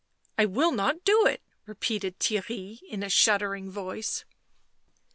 u I will not do it," repeated Theirry in a shuddering voice.